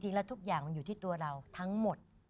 จริงแล้วทุกอย่างมันอยู่ที่ตัวเราทั้งหมด